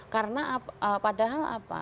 karena padahal apa